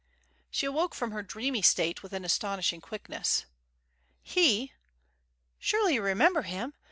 She awoke from her dreamy state with an astonishing quickness. "He? Surely you remember him.